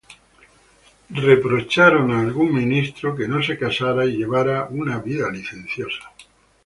Algún ministro fue reprochado por no casarse o llevar una vida licenciosa.